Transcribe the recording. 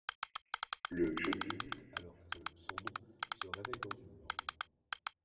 Le jeu débute alors que Sans-Nom se réveille dans une morgue.